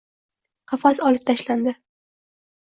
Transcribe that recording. Qafas olib tashlandi